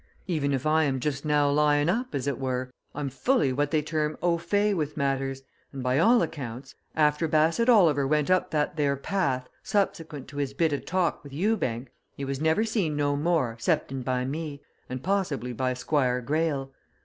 Even if I am just now lying up, as it were, I'm fully what they term o fay with matters, and, by all accounts, after Bassett Oliver went up that there path, subsequent to his bit of talk with Ewbank, he was never seen no more 'cepting by me, and possibly by Squire Greyle.